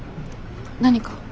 何か？